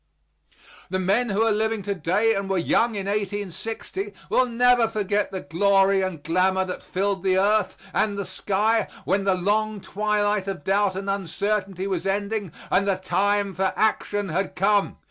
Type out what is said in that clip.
The men who are living to day and were young in 1860 will never forget the glory and glamour that filled the earth and the sky when the long twilight of doubt and uncertainty was ending and the time for action had come.